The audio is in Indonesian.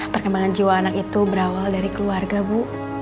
perkembangan jiwa anak itu berawal dari keluarga bu